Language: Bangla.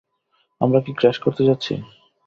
আমরা কি ক্র্যাশ করতে যাচ্ছি!